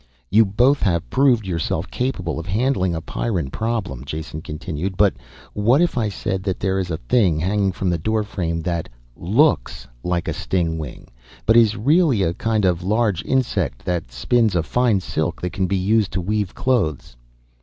"You both have proved yourself capable of handling a Pyrran problem." Jason continued. "But what if I said that there is a thing hanging from the doorframe that looks like a stingwing, but is really a kind of large insect that spins a fine silk that can be used to weave clothes?"